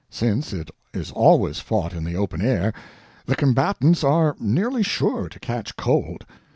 Since it is always fought in the open air, the combatants are nearly sure to catch cold.